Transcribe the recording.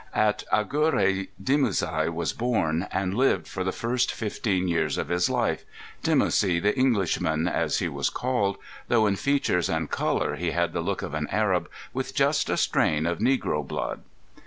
At Agurai Dimoussi was born, and lived for the first fifteen years of his life—Dimoussi the Englishman, as he was called, though in features and colour he had the look of an Arab with just a strain of Negro blood.